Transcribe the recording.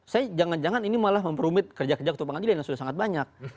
saya jangan jangan ini malah memperumit kerja kerja ketua pengadilan yang sudah sangat banyak